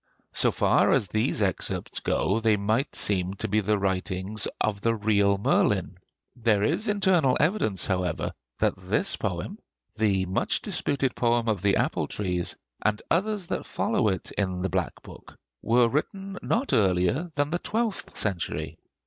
So far as these excerpts go, they might seem to be the writing of the real Merlin. There is internal evidence however that this poem, the much disputed poem of the 'Apple trees,' and others that follow it in the 'Black Book,' were written not earlier than the twelfth century.